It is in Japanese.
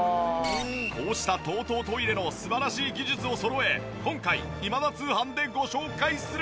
こうしたＴＯＴＯトイレの素晴らしい技術をそろえ今回『今田通販』でご紹介するのが。